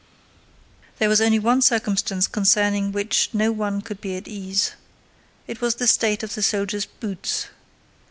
There was only one circumstance concerning which no one could be at ease. It was the state of the soldiers' boots.